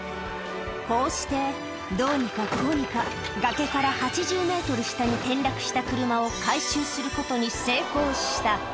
こうして、どうにかこうにか、崖から８０メートル下に転落した車を回収することに成功した。